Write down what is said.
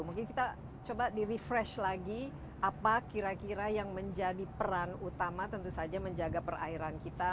mungkin kita coba di refresh lagi apa kira kira yang menjadi peran utama tentu saja menjaga perairan kita